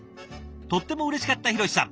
とってもうれしかったひろしさん。